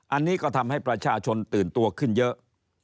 อันนี้ก็ทำให้ประชาชนตื่นตัวขึ้นเยอะ